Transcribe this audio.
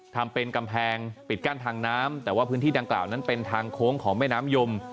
ทำเป็นกำแพงปิดกั้นทางน้ำแต่ว่าพื้นที่ดังกล่าวนั้นเป็นทางโค้งของแม่น้ำยม